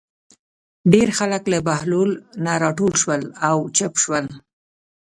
ډېر خلک له بهلول نه راټول شول او چوپ شول.